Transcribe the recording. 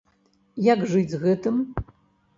Як жыць з гэтым?